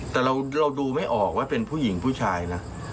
แต่เราดูไม่ออกว่าเป็นผู้หญิงผู้ชายนะ